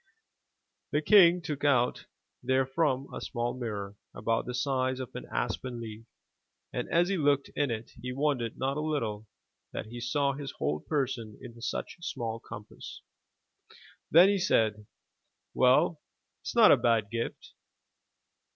The king took out therefrom a small mirror, about the size of an aspen leaf, and as he looked in it, he wondered not a little that he saw his whole person in such small compass. Then he said : 'Well, it is not a bad gift."